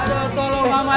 nya agak mempatikan ya